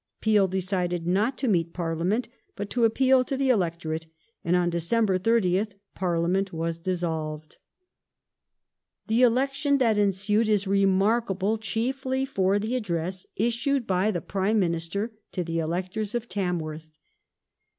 Peel decided not to meet Parliament, but to appeal to the electorate, and on December 30th Parliament was dissolved. The Tarn The election that ensued is remarkable chiefly for the address '^°^^]{ issued by the Prime Minister to the electors of Tam worth.